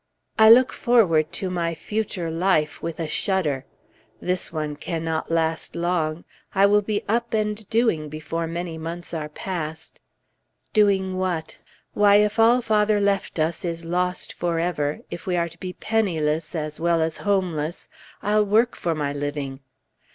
I look forward to my future life with a shudder. This one cannot last long; I will be "up and doing" before many months are past. Doing what? Why, if all father left us is lost forever, if we are to be penniless as well as homeless, I'll work for my living.